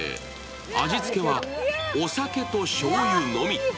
味付けはお酒としょうゆのみ。